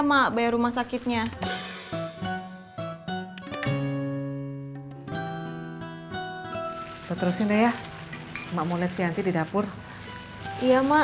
mak bayar rumah sakitnya terusin deh ya emang mulai sianti di dapur iya mak